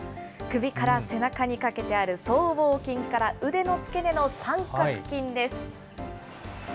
首から背中にかけてある僧帽筋から腕の付け根の三角筋です。